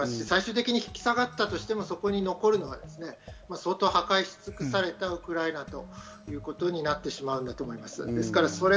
最終的に引き下がったとしても、そこに残るのは相当、破壊しつくされたウクライナということになってしまうんだと思います。